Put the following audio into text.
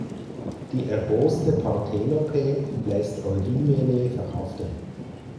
Die erboste Partenope lässt Eurimene verhaften.